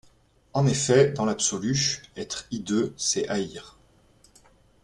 En effet, dans l’absolu, être hideux, c’est haïr.